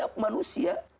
harusan setiap manusia